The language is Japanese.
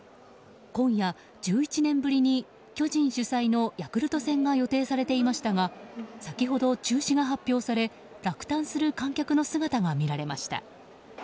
今夜、１１年ぶりに巨人主催のヤクルト戦が予定されていましたが先ほど、中止が発表され落胆する観客の姿が見られました。